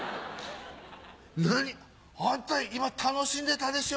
何あんた今楽しんでたでしょ？